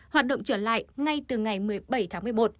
hoạt động trở lại ngay từ ngày một mươi bảy tháng một mươi một